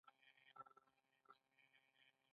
دی ونې ته ور وښوېد.